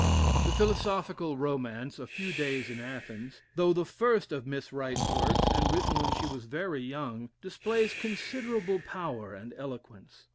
The philosophical romance, "A Few Days in Athens," though the first of Miss Wright's works, and written when she was very young, displays considerable power and eloquence.